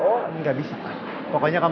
boleh nyobain nih boleh nyobain